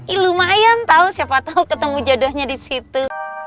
ih lumayan tau siapa tau ketemu jodohnya disitu